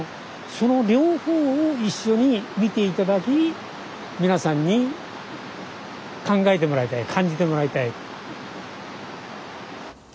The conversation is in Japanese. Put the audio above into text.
その両方を一緒に見て頂き皆さんに考えてもらいたい感じてもらいたい。